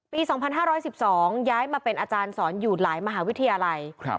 ปี๒๕๑๒ย้ายมาเป็นอาจารย์สอนอยู่หลายมหาวิทยาลัย